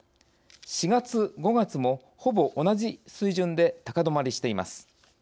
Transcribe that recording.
４月、５月もほぼ同じ水準で高止まりしています。